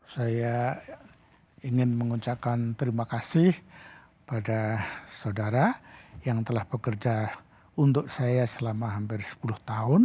saya ingin mengucapkan terima kasih pada saudara yang telah bekerja untuk saya selama hampir sepuluh tahun